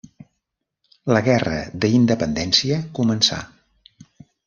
La guerra d'independència començà.